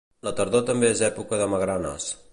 La tardor també és època de magranes.